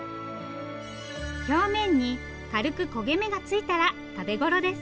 表面に軽く焦げ目がついたら食べ頃です。